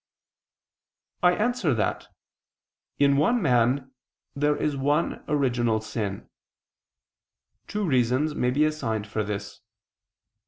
I answer that, In one man there is one original sin. Two reasons may be assigned for this.